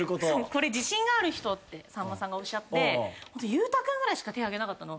「これ自信がある人？」ってさんまさんがおっしゃって裕太君ぐらいしか手挙げなかったの。